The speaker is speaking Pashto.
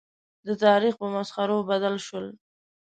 د تاریخ په مسخرو بدل شول.